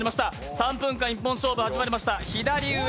３分間一本勝負始まりました。